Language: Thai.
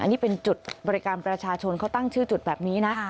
อันนี้เป็นจุดบริการประชาชนเขาตั้งชื่อจุดแบบนี้นะ